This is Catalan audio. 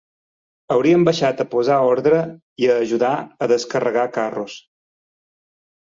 Haurien baixat a posar ordre i a ajudar a descarregar carros.